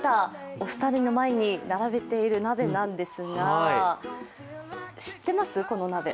お二人の前に並べている鍋なんですが知ってます、この鍋？